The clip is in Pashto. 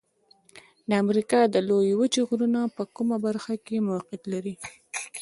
د امریکا د لویې وچې غرونه په کومه برخه کې موقعیت لري؟